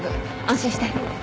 安心して。